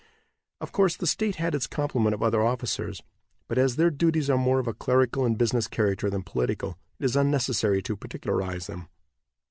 Of course, the state had its compliment of other officers, but as their duties are more of a clerical and business character than political, it is unnecessary to particularize them.